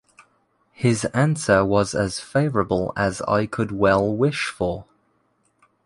His answer was as favorable as I could well wish for.